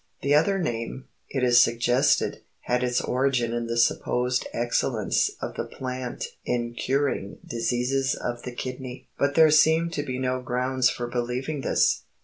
The other name, it is suggested, had its origin in the supposed excellence of the plant in curing diseases of the kidney. But there seem to be no grounds for believing this.